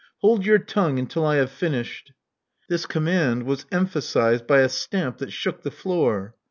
Hold your tongue until I have finished." This command was empha sized by a stamp that shook the floor.